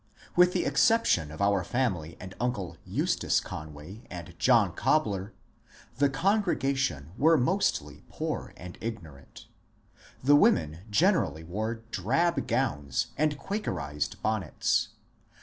With the exception of our family and uncle Eustace Conway and John Cobler, the congregation were mostly poor and ignorant. The women generally wore drab gowns and Quakerized bonnets.